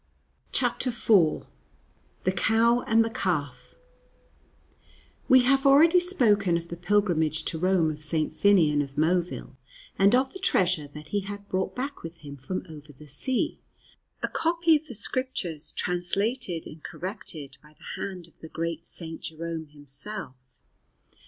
CHAPTER IV THE COW AND THE CALF WE have already spoken of the pilgrimage to Rome of St. Finnian of Moville, and of the treasure that he had brought back with him from over the sea a copy of the Scriptures translated and corrected by the hand of the great St. Jerome himself.